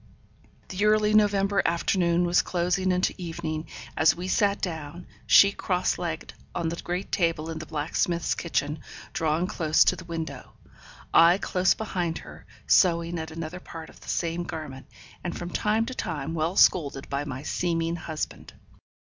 The early November afternoon was closing into evening, as we sat down, she cross legged on the great table in the blacksmith's kitchen, drawn close to the window, I close behind her, sewing at another part of the same garment, and from time to time well scolded by my seeming husband.